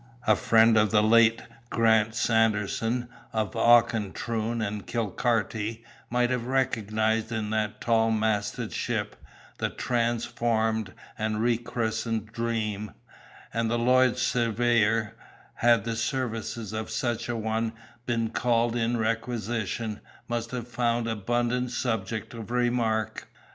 A friend of the late Grant Sanderson (of Auchentroon and Kilclarty) might have recognised in that tall masted ship, the transformed and rechristened Dream; and the Lloyd's surveyor, had the services of such a one been called in requisition, must have found abundant subject of remark.